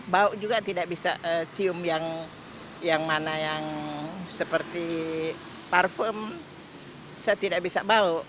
bau juga tidak bisa cium yang mana yang seperti parfum saya tidak bisa bau